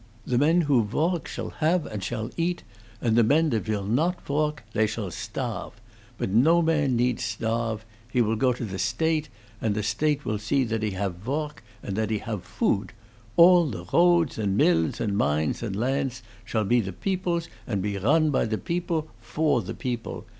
The men who voark shall have and shall eat; and the men that will not voark, they shall sdarfe. But no man need sdarfe. He will go to the State, and the State will see that he haf voark, and that he haf foodt. All the roadts and mills and mines and landts shall be the beople's and be ron by the beople for the beople.